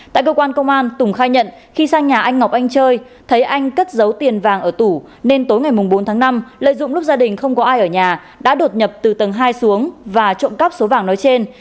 tại cơ quan công an tùng khai nhận khi sang nhà anh ngọc anh chơi thấy anh cất dấu tiền vàng ở tủ nên tối ngày bốn tháng năm lợi dụng lúc gia đình không có ai ở nhà đã đột nhập từ tầng hai xuống và trộm cắp số vàng nói trên